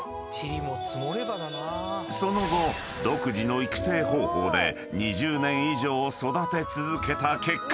［その後独自の育成方法で２０年以上育て続けた結果